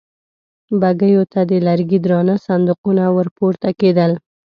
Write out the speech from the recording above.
بګيو ته د لرګي درانه صندوقونه ور پورته کېدل.